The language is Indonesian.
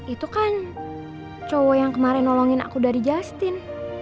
itu kan cowok yang kemarin nolongin aku dari justin